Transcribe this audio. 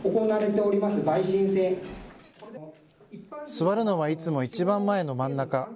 座るのはいつもいちばん前の真ん中。